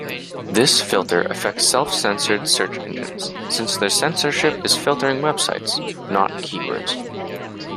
This filter affects self-censored search engines, since their censorship is filtering websites, not keywords.